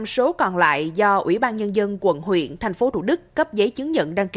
tám mươi năm số còn lại do ủy ban nhân dân quận huyện tp hcm cấp giấy chứng nhận đăng ký